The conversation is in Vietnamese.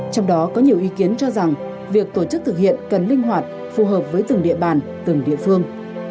trong đó có nhiều ý kiến cho rằng việc tổ chức thực hiện cần linh hoạt phù hợp với từng địa bàn từng địa phương